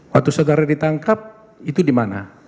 waktu saudara ditangkap itu di mana